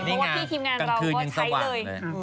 มันคือที่ทีมงานเราก็ใช้เลย